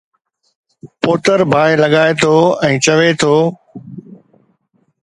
پوتر باهه لڳائي ٿو ۽ چوي ٿو